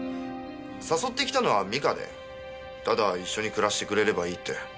誘ってきたのは実花でただ一緒に暮らしてくれればいいって。